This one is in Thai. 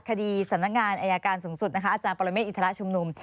คดีสำนักงานอายการสูงสุดนะคะอาจารย์ปรเมฆอินทรชุมนุม